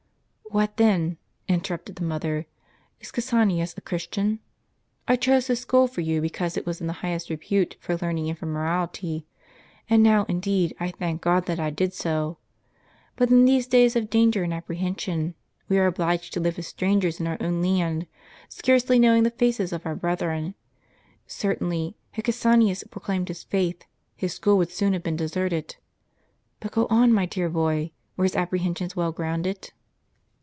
" "What, then," interrupted the mother, "is Cassianus a Christian ? I chose his school for you because it was in the highest repute for learning and for morality ; and now indeed I thank God that I did so. But in these days of danger and apprehension we are obliged to live as strangers in our own land, scarcely knowing the faces of our brethren. Certainly, had Cassianus proclaimed his faith, his school would soon have been deserted. But go on, my dear boy. Were his apprehensions well grounded?